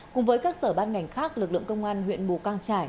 cùng với các sở ban ngành khác lực lượng công an huyện mù căng trải